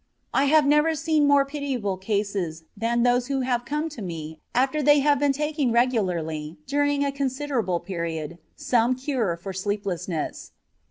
I have never seen more pitiable cases than those who have come to me after they had been taking regularly, during a considerable period, some cure for sleeplessness.